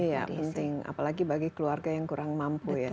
ya penting apalagi bagi keluarga yang kurang mampu